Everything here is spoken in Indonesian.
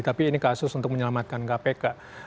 tapi ini kasus untuk menyelamatkan kpk